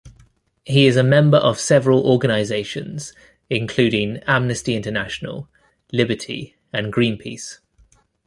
He is a member of several organisations including Amnesty International, Liberty and Greenpeace.